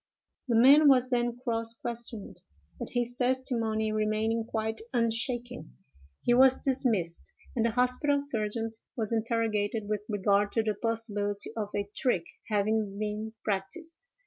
"The man was then cross questioned; but his testimony remaining quite unshaken, he was dismissed, and the hospital sergeant was interrogated with regard to the possibility of a trick having been practised.